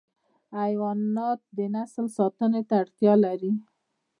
حیوانات د نسل ساتنه ته اړتیا لري.